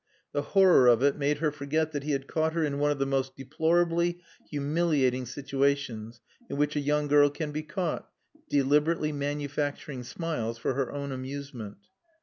The horror of it made her forget that he had caught her in one of the most deplorably humiliating situations in which a young girl can be caught deliberately manufacturing smiles for her own amusement.